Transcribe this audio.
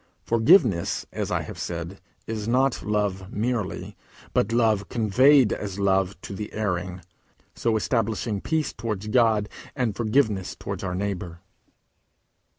Forgiveness, as I have said, is not love merely, but love conveyed as love to the erring, so establishing peace towards God, and forgiveness towards our neighbour.